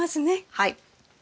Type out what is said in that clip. はい。